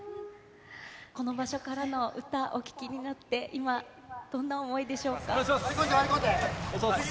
この場所からの歌、お聞きになって、今、どんな思いでしょうか。